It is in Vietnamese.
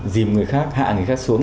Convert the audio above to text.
dìm người khác hạ người khác xuống